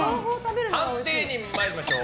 判定に参りましょう。